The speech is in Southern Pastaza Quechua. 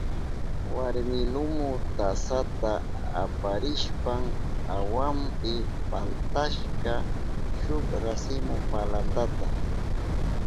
Warmi lumu tasata aparishpan awanpi paltashka shuk rasimu palantata.